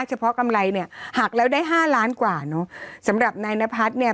กำไรเนี่ยหักแล้วได้ห้าล้านกว่าเนอะสำหรับนายนพัฒน์เนี่ย